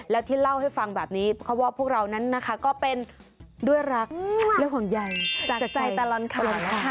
แล้วที่เล่าให้ฟังแบบนี้เพราะว่าพวกเรานั้นนะคะก็เป็นด้วยรักและห่วงใยจากใจตลอดข่าวนะคะ